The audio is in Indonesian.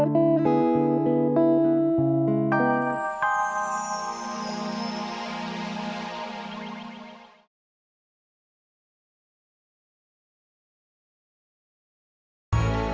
saya tidak hati hati seperti priest mamunaisaku